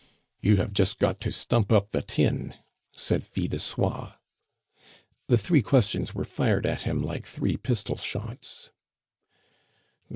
"You have just got to stump up the tin!" said Fil de Soie. The three questions were fired at him like three pistol shots.